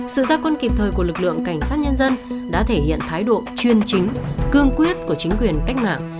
sự gia quân kịp thời của lực lượng cảnh sát nhân dân đã thể hiện thái độ chuyên chính cương quyết của chính quyền cách mạng